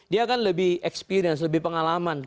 dia kan lebih experience lebih pengalaman